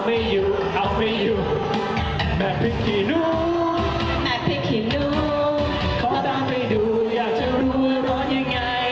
แม่พลิกหินูขอตาไปดูอยากจะรู้ว่าร้อนยังไง